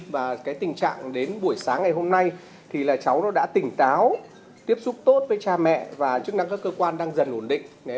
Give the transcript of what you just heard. và cái tình trạng đến buổi sáng ngày hôm nay thì là cháu nó đã tỉnh táo tiếp xúc tốt với cha mẹ và chức năng các cơ quan đang dần ổn định